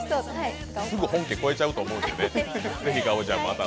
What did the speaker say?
すぐ本家を超えちゃうと思いますね。